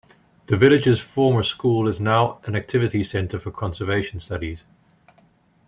The village's former school is now an activities centre for conservation studies.